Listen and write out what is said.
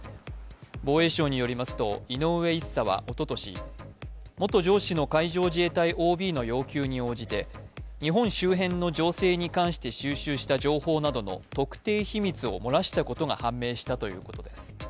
防衛省によりますと、井上１佐はおととし元上司の海上自衛隊ＯＢの要求に応じて日本周辺の情勢に関して収集した情報などの特定秘密を漏らしたことが判明したということです。